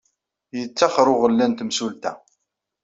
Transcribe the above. Yettaxer uɣella n temsulta.